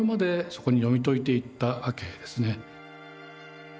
そこに読み解いていったわけですね。